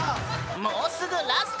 もうすぐラスト！